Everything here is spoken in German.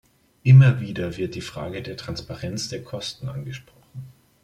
Immer wieder wird die Frage der Transparenz der Kosten angesprochen.